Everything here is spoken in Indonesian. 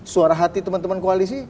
suara hati teman teman koalisi